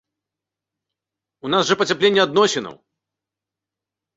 У нас жа пацяпленне адносінаў!